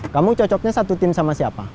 kamu cocoknya satu tim sama siapa